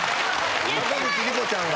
坂口理子ちゃんが？